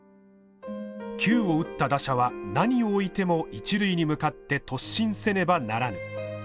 「球を打った打者は何をおいても一塁に向かって突進せねばならぬ」。